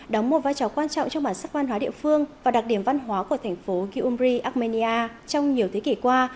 đóng một vai trò quan trọng trong bản sắc văn hóa địa phương và đặc điểm văn hóa của thành phố gyumri armenia trong nhiều thế kỷ qua